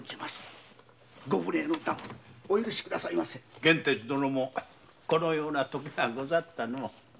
玄哲殿もこのようなときがござったのう。